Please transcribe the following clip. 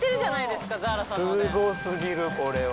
すごすぎるこれは。